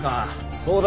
そうだ。